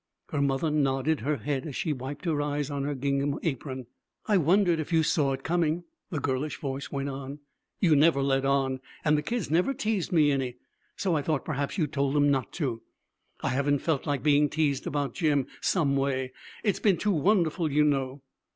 Her mother nodded her head as she wiped her eyes on her gingham apron. 'I wondered if you saw it coming?' the girlish voice went on. 'You never let on, and the kids never teased me any. So I thought perhaps you told 'em not to. I haven't felt like being teased about Jim, some way. It's been too wonderful, you know.'